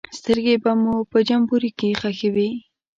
سترګې به مو په جمبوري کې ښخې وې.